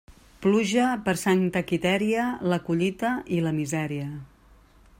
Pluja per Santa Quitèria, la collita i la misèria.